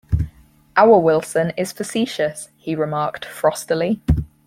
"Our Wilson is facetious," he remarked frostily.